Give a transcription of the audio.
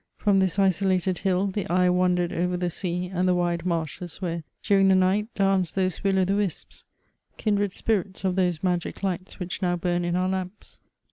From this isolated hill, the eye wan dered over the sea and the wide marshes, where, during the night, danced those will o' the wisps — kindred spirits of those magic lights which now bum in our lamps.